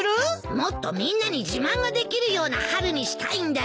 もっとみんなに自慢ができるような春にしたいんだよ。